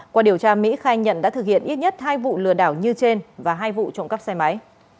qua điều tra mỹ khai nhận đã thực hiện ít nhất hai vụ lừa đảo như trên và hai vụ trộm cắp xe máy